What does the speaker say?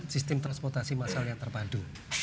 sistem transportasi masal yang terpadu